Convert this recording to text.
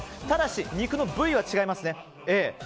ただし、肉の部位は違いますね。